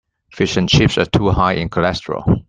Fish and chips are too high in cholesterol.